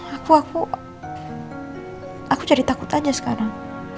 aku aku aku jadi takut aja sekarang